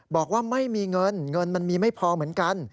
บอกว่าไม่มีเงินเงินมันมีไม่พอเหมือนกัน